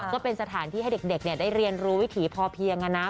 ก็เป็นสถานที่ให้เด็กได้เรียนรู้วิถีพอเพียง